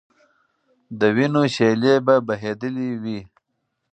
د وینو شېلې به بهېدلې وي.